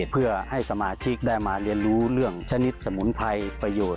เพื่อให้สมาชิกได้มาเรียนรู้เรื่องชนิดสมุนไพรประโยชน์